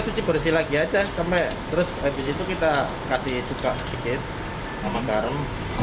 cuci bersih lagi aja sampai terus itu kita kasih cukup sikit sama karun